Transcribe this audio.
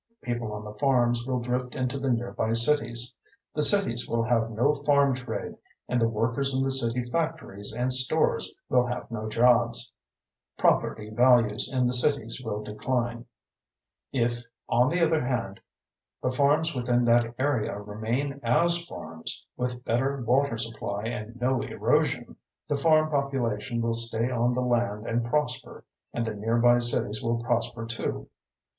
People on the farms will drift into the nearby cities; the cities will have no farm trade and the workers in the city factories and stores will have no jobs. Property values in the cities will decline. If, on the other hand, the farms within that area remain as farms with better water supply and no erosion, the farm population will stay on the land and prosper and the nearby cities will prosper too.